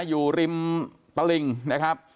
อยู่ริมตลิงนะครับ